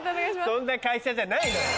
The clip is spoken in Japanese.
そんな会社じゃないのよ！